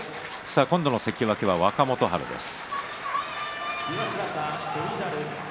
今度は関脇若元春です。